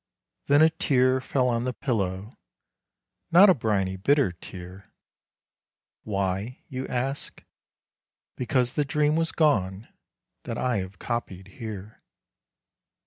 Then a tear fell on the pillow, not a briny, bitter tear, Why? you ask because the dream was gone that I have copied here.